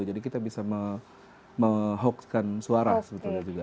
jadi kita bisa me hookkan suara sebetulnya juga